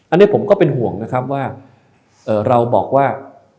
อันนี้ผมก็เป็นห่วงนะครับว่าเราบอกว่า